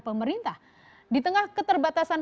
pemerintah di tengah keterbatasan